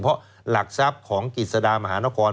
เพราะหลักทรัพย์ของกิจสดามหานคร